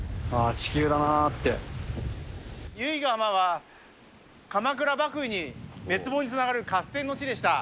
由比ガ浜は、鎌倉幕府滅亡につながる合戦の地でした。